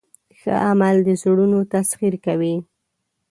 ښه عمل د زړونو تسخیر کوي.